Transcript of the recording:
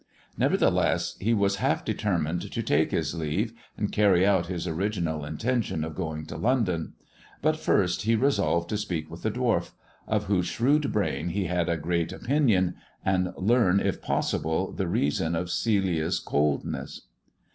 Nevertheless he was half determined to take his leave, and carry out his original intention of going to London ; but first he resolved to speak with the dwarf, of whose shrewd brain he had a great opinion, and learn if possible the reason of CeUa's coldness.